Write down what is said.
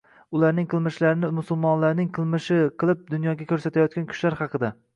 ularning qilmishlarini “musulmonlarning qilmishi” qilib dunyoga ko‘rsatayotgan kuchlar haqida